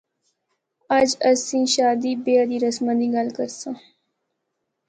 اج اسیں شادی بیاہ دی رسماں دی گل کرساں۔